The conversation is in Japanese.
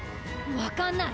分かんない。